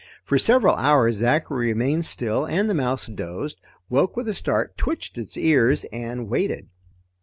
For several hours Zachary remained still and the mouse dozed, woke with a start, twitched its ears, and waited.